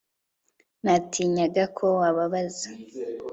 Natinyaga ko wababaza